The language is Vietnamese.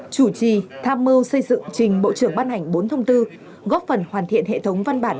chủ trì tham mưu xây dựng trình bộ trưởng ban hành bốn thông tư góp phần hoàn thiện hệ thống văn bản